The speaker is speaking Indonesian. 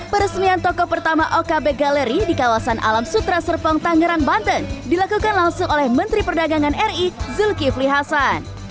peresmian toko pertama okb galeri di kawasan alam sutra serpong tangerang banten dilakukan langsung oleh menteri perdagangan ri zulkifli hasan